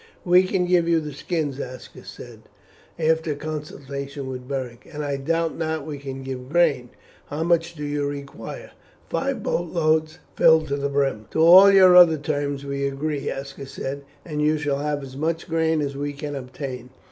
"We can give the skins," Aska said, after a consultation with Beric; "and I doubt not we can give grain. How much do you require?" "Five boat loads filled to the brim." "To all your other terms we agree," Aska said; "and you shall have as much grain as we can obtain.